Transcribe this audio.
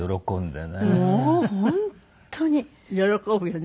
喜ぶよね